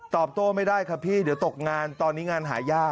โต้ไม่ได้ครับพี่เดี๋ยวตกงานตอนนี้งานหายาก